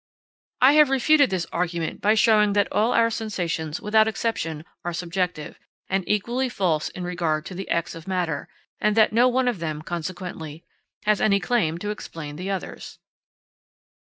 I have refuted this argument by showing that all our sensations without exception are subjective and equally false in regard to the X of matter, and that no one of them, consequently, has any claim to explain the others.